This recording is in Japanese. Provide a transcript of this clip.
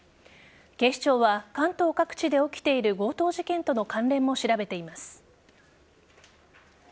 警視庁は関東各地で起きている強盗事件との関連も調べています。